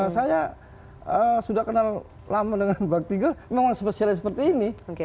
saya sudah kenal lama dengan bang tiger memang spesialis seperti ini